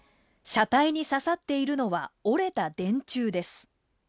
車体に刺さっているのは折れた電柱です。